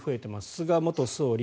菅元総理。